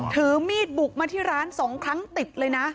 ถือมีดบุกมาที่ร้าน๒ครั้งติดเลยนะ